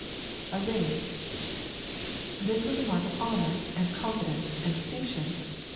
[A ring.] This was a mark of honor, and confidence, and dis tinction.